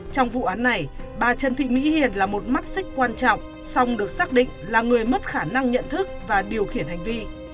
trong vụ án này bà trần thị mỹ hiền là một mắt xích quan trọng song được xác định là người mất khả năng nhận thức và điều khiển hành vi